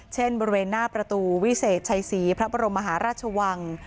บริเวณหน้าประตูวิเศษชัยศรีพระบรมมหาราชวัง